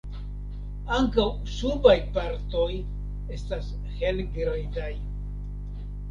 Ankaŭ subaj partoj estas helgrizaj.